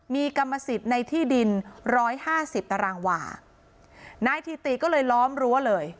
มีกรรมสิทธิ์ในที่ดินร้อยห้าสิบตารางวานายถิติก็เลยล้อมรั้วเลย